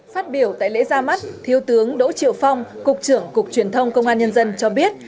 phát biểu tại lễ ra mắt thiếu tướng đỗ triệu phong cục trưởng cục truyền thông công an nhân dân cho biết